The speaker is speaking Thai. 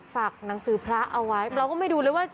ฝากหนังสือพระเอาไว้กูไม่ดูเลยว่า